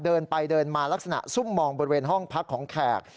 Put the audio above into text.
เดินไปเดินมาลักษณะซุ่มมองบริเวณห้องพักของแขก